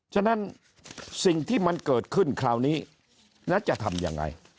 ฉะนั้นสิ่งที่มันเกิดขึ้นคราวนี้แล้วจะทำยังไง